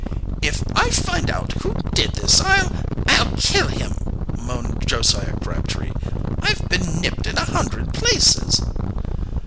"If I find out who did this I'll I'll kill him," moaned Josiah Crabtree. "I've been nipped is a hundred places!"